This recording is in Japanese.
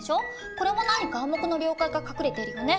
これも何か「暗黙の了解」が隠れているよね。